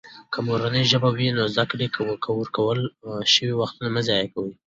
که مورنۍ ژبه وي، نو زده کړې کې ورکړل شوي وخت مه ضایع کېږي.